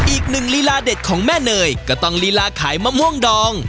อีกหนึ่งลีลาเด็ดของแม่เนยก็ต้องลีลาขายมะม่วงดอง